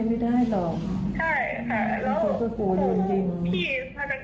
มีคนอยู่ด้วยไม่ได้หรอก